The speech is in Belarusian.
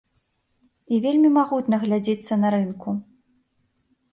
І вельмі магутна глядзіцца на рынку.